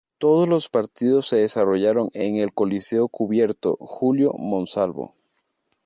Todos los partidos se desarrollaron en el Coliseo Cubierto Julio Monsalvo.